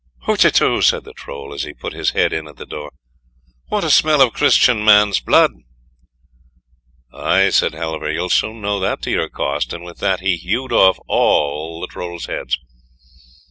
"HUTETU," said the Troll, as he put his head in at the door, "what a smell of Christian man's blood!" "Aye," said Halvor, "you'll soon know that to your cost," and with that he hewed off all his heads.